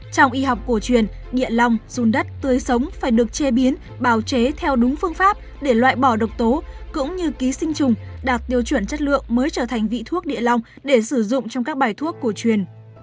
trong y học cổ truyền địa long dùng đất tưới sống phải được chế biến bào chế theo đúng phương pháp để loại bỏ độc tố cũng như ký sinh trùng đạt tiêu chuẩn chất lượng mới trở thành vị thuốc địa long để sử dụng trong các bài thuốc cổ truyền